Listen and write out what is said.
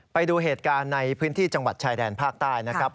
ไปดูเหตุการณ์ในพื้นที่จังหวัดชายแดนภาคใต้นะครับ